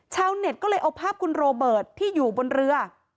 ชาวเน็ตก็เลยเอาภาพคุณโรเบิร์ตที่อยู่บนเรือ